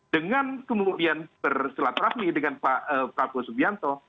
dengan kemudian berselat rahnik dengan pak pak bu subianto